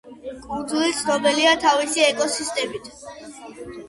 კუნძული ცნობილია თავისი ეკოსისტემით.